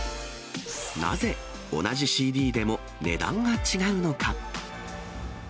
なぜ、同じＣＤでも値段が違うのか。